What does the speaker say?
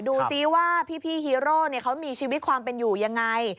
ดูซิว่าพี่ฮีโร่เขามีชีวิตความเป็นอยู่ยังไง